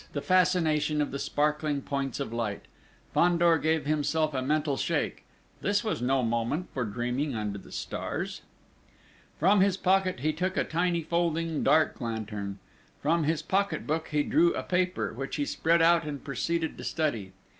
The fascination of the sparkling points of light!... Fandor gave himself a mental shake.... This was no moment for dreaming under the stars! From his pocket he took a tiny, folding dark lantern; from his pocket book he drew a paper, which he spread out and proceeded to study.